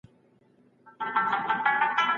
درې او رغونه به یې کیسې کوي